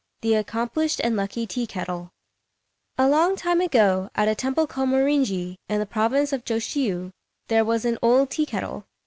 THE ACCOMPLISHED AND LUCKY TEA KETTLE A long time ago, at a temple called Morinji, in the province of Jôshiu, there was an old tea kettle.